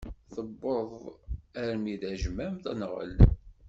Tewweḍ armi d ajmam, tenɣel.